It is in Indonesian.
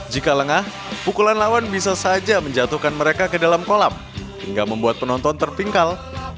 jika lengah pukulan lawan bisa saja menjatuhkan mereka ke dalam kolam hingga membuat penonton terpingkal